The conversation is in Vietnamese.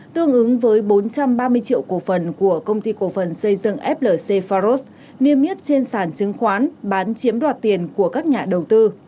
tương ứng với bốn trăm ba mươi triệu cổ phần của công ty cổ phần xây dựng flc faros niêm yết trên sản chứng khoán bán chiếm đoạt tiền của các nhà đầu tư